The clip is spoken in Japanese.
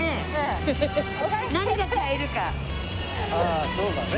ああそうだね。